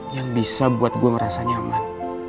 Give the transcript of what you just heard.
yang bisa buat gue merasa nyaman